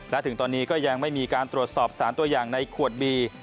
และถึงตอนนี้ก็ยังไม่มีการตรวจสอบสารตัวอย่างในขวดบี